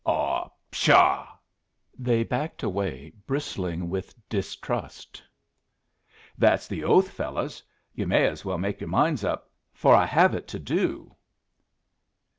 "Ah, pshaw!" They backed away, bristling with distrust. "That's the oath, fellows. Yu' may as well make your minds up for I have it to do!"